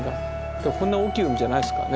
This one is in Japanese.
でもこんな大きい海じゃないですからね